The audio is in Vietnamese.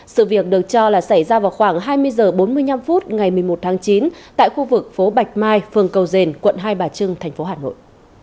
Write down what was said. sự việc được cho là xảy ra vào khoảng hai mươi h bốn mươi năm phút ngày một mươi một tháng chín tại khu vực phố bạch mai phường cầu dền quận hai bà trưng thành phố hà nội